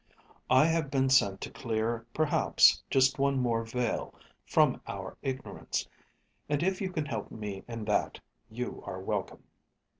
I have been sent to clear perhaps just one more veil from our ignorance. And if you can help me in that, you are welcome."